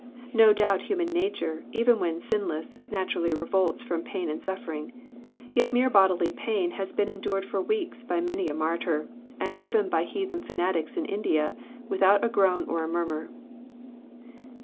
Ko doubt human nature, even when sinless, naturally revolts Arom pain and suffering. Tet mere bodily pain ha6 been endured for weeks by many a martyr, and even bj heathen fanatics in India, without a groan •or a murmur.